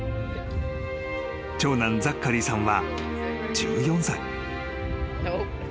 ［長男ザッカリーさんは１４歳］